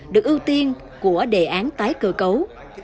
được ưu tiên của đề án tái cơ cấu